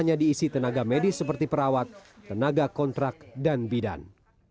dengan peningkatan dari tenaga medis seperti perawat tenaga kontrak dan bidan